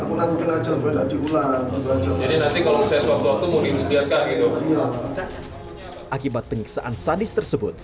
untuk melakukan penyiksaan sadis tersebut